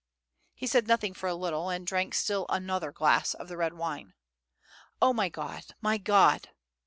He said nothing for a little, and drank still another glass of the red wine. "Oh, my God, my God!